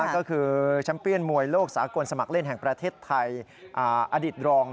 ก็คือชัมเปียนมวยโลกสากลสมัครเล่นแห่งประเทศไทย